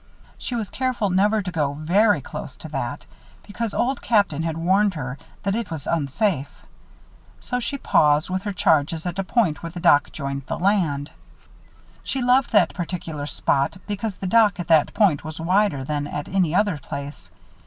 She was careful never to go very close to that, because Old Captain had warned her that it was unsafe; so she paused with her charges at a point where the dock joined the land. She loved that particular spot because the dock at that point was wider than at any other place.